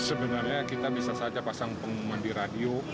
sebenarnya kita bisa saja pasang pengumuman di radio